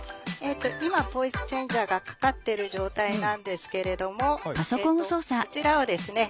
今ボイスチェンジャーがかかってる状態なんですけれどもえっとこちらをですね